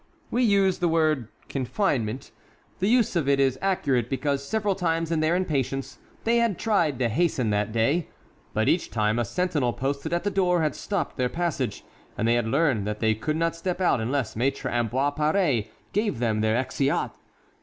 We used the word "confinement;" the use of it is accurate because several times in their impatience they had tried to hasten that day; but each time a sentinel posted at the door had stopped their passage and they had learned that they could not step out unless Maître Ambroise Paré gave them their exeat.